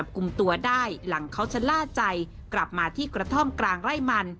กลุ่มตัวได้หลังเขาชะล่าใจกลับมาที่กระท่อมกลางไร่มัน